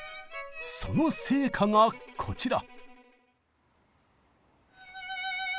その成果がこちら！